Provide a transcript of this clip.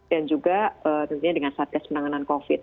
dan juga tentunya dengan satgas penanganan covid sembilan belas